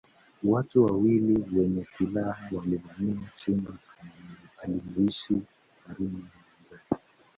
Watu wawili wenye silaha walivamia chumba alimokuwa Karume na wenzake